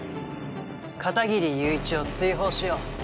片切友一を追放しよう。